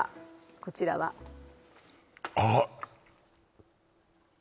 こちらはあっ